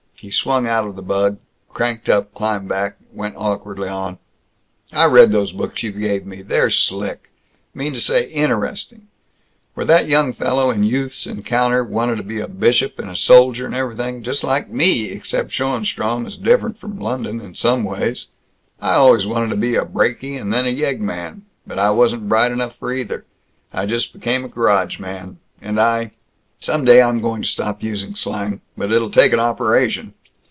He swung out of the bug, cranked up, climbed back, went awkwardly on, "I read those books you gave me. They're slick mean to say, interesting. Where that young fellow in Youth's Encounter wanted to be a bishop and a soldier and everything Just like me, except Schoenstrom is different, from London, some ways! I always wanted to be a brakie, and then a yeggman. But I wasn't bright enough for either. I just became a garage man. And I Some day I'm going to stop using slang. But it'll take an operation!"